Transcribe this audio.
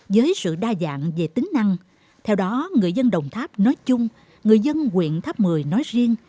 với sự đa dạng về tính năng theo đó người dân đồng tháp nói chung người dân quyện tháp mười nói riêng